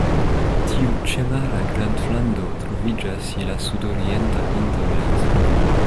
Tiu ĉemara graflando troviĝas je la sudorienta pinto de la insulo.